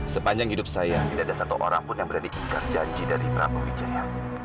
sepanjang hidup saya tidak ada satu orang pun yang berani ikat janji dari prabu wijaya